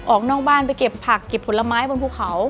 ออกนอกบ้านไปเก็บผักเก็บผลไม้บนภูเขา